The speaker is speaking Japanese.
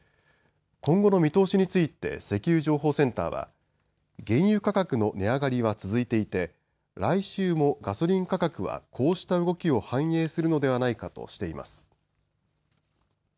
今後の見通しについて石油情報センターは原油価格の値上がりは続いていて来週もガソリン価格はこうした動きを反映するのではないかとしています。